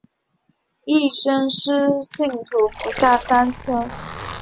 一生施洗信徒不下三千。